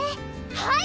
はい！